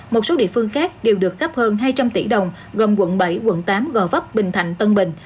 một số địa phương khác đều được cấp hơn hai trăm linh tỷ đồng gồm quận bảy quận tám gò vấp bình thạnh tân bình